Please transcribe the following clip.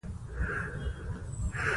بادام د افغانستان د طبیعت د ښکلا برخه ده.